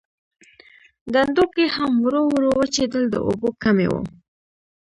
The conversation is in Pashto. ډنډونکي هم ورو ورو وچېدل د اوبو کمی و.